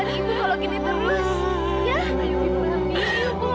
ibu ibu ibu